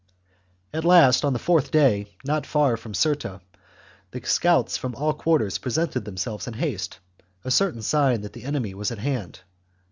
CHAP. At last, on the fourth day, not far from Cirta, the scouts from all quarters presented themselves in haste. THE JUGURTHINE WAR. 233 a certain sign that the enemy was at hand.